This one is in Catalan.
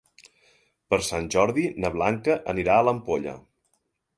Per Sant Jordi na Blanca anirà a l'Ampolla.